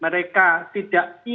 mereka tidak imun dari